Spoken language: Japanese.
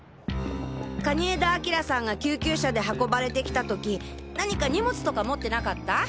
蟹江田明さんが救急車で運ばれてきた時何か荷物とか持ってなかった？